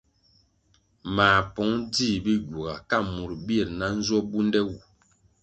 Mā pong djih Bigyuga ka murʼ birʼ na njwo bunde wu.